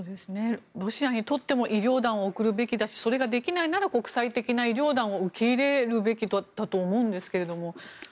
ロシアにとっても医療団を送るべきだしそれができないなら国際的な医療団を受け入れるべきだと思うんですけども。